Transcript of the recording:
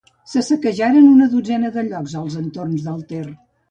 Se saquejaren una dotzena de llocs als entorns del Ter.